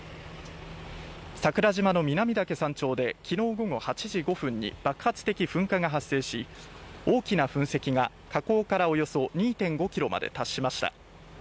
桜島の南岳山頂で昨日午後８時５分に爆発的噴火が発生し大きな噴石火口からおよそ２．５ｋｍまで達しました。